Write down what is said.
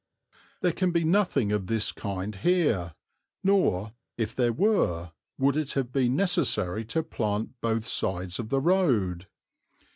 There can be nothing of this kind here, nor, if there were, would it have been necessary to plant both sides of the road.